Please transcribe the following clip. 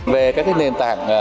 về các nền tảng